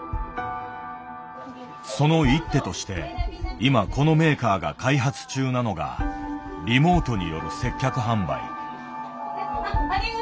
その一手として今このメーカーが開発中なのがリモートによる接客販売。